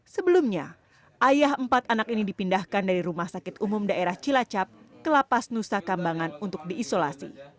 sebelumnya ayah empat anak ini dipindahkan dari rumah sakit umum daerah cilacap ke lapas nusa kambangan untuk diisolasi